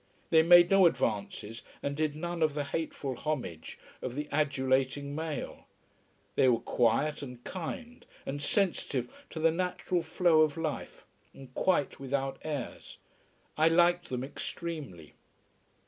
They made no advances and did none of the hateful homage of the adulating male. They were quiet, and kind, and sensitive to the natural flow of life, and quite without airs. I liked them extremely.